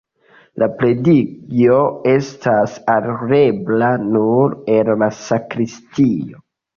La predikejo estas alirebla nur el la sakristio.